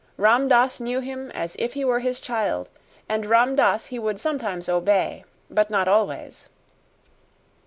Ram Dass knew him as if he were his child, and Ram Dass he would sometimes obey, but not always.